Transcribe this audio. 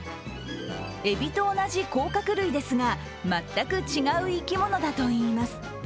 えびと同じ甲殻類ですが、全く違う生き物だといいます。